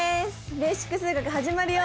「ベーシック数学」始まるよ！